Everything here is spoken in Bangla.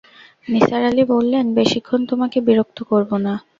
নিসার আলি বললেন, বেশিক্ষণ তোমাকে বিরক্ত করব না।